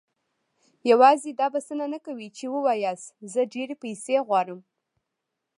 يوازې دا بسنه نه کوي چې وواياست زه ډېرې پيسې غواړم.